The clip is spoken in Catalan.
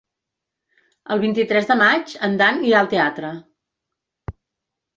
El vint-i-tres de maig en Dan irà al teatre.